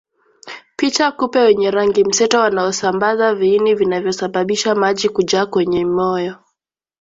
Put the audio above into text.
Picha Kupe wenye rangi mseto wanaosambaza viini vinavyosababisha maji kujaa kwenye moyo